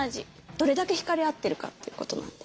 どれだけひかれ合ってるかっていうことなんで。